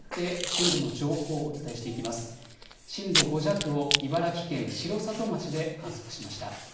震度５弱を茨城県城里町で観測しました。